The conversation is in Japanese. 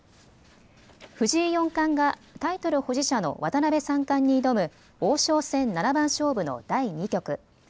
藤井四冠がタイトル保持者の渡辺三冠に挑む王将戦七番勝負の第２局。